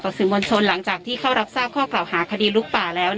หรืออะไรยังไงบ้างนานมากเลย